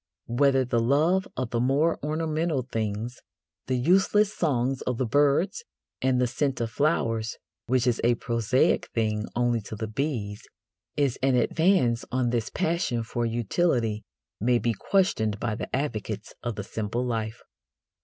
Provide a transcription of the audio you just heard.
Whether the love of the more ornamental things the useless songs of the birds and the scent of flowers, which is a prosaic thing only to the bees is an advance on this passion for utility may be questioned by the advocates of the simple life.